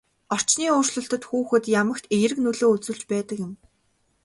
Орчны өөрчлөлт хүүхдэд ямагт эерэг нөлөө үзүүлж байдаг юм.